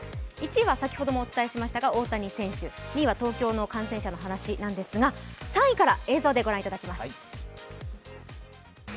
１位は先ほどもお伝えしましたが、大谷選手、２位は東京の感染者の話なんですが３位から映像で御覧いただきます。